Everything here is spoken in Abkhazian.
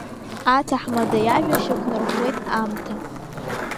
Аҭаҳмада иажәа шьақәнарӷәӷәеит аамҭа.